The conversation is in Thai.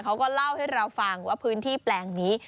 เขาก็เล่าให้เราฟังว่าพื้นที่แปลงนี้